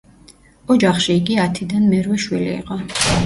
ოჯახში იგი ათიდან მერვე შვილი იყო.